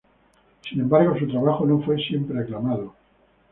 Sin embargo, su trabajo no fue siempre aclamado.